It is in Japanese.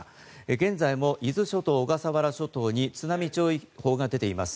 現在も伊豆諸島小笠原諸島に津波注意報が出ています。